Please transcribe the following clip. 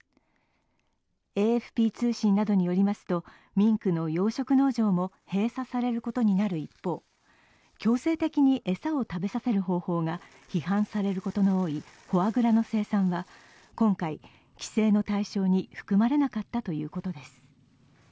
ＡＦＰ通信などによりますと、ミンクの養殖農場も閉鎖されることになる一方、強制的に餌を食べさせる方法が批判されることの多いフォアグラの生産は今回、規制の対象に含まれなかったということです。